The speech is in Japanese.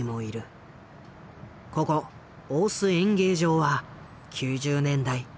ここ大須演芸場は９０年代